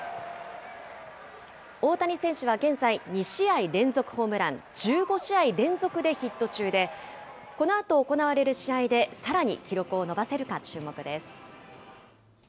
大谷選手は現在、２試合連続ホームラン、１５試合連続でヒット中で、このあと行われる試合で、さらに記録を伸ばせるか注目です。